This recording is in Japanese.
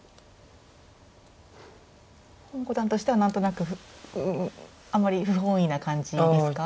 洪五段としては何となくあんまり不本意な感じですか？